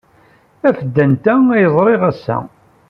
Af-d anta ay ẓriɣ ass-a.